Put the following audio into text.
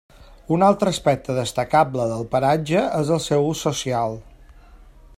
Un altre aspecte destacable del paratge és el seu ús social.